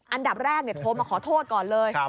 อันดับแรกโทรมาขอโทษก่อนเลย